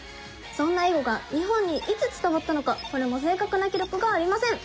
そんな囲碁が日本にいつ伝わったのかこれも正確な記録がありません。